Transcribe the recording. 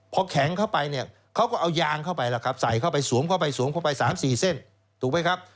พอแข็งเข้าไปเนี่ยเขาก็เอายางเข้าไปล่ะครับใส่เข้าไปสวมเข้าไปสวมเข้าไป๓๔เส้นถูกไหมครับ